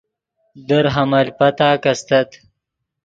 در حمل پتاک استت